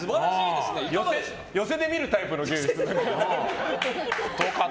寄席で見るタイプの芸ですね。